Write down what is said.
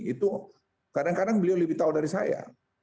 itu kadang kadang beliau lebih tahu dari saya